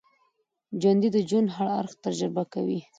ژوندي د ژوند هر اړخ تجربه کوي